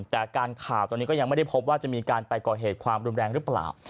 แต่การข่าวตอนนี้ก็ยังไม่ได้พบว่าจะมีการไปก่อเหตุความรุนแรงหรือเปล่า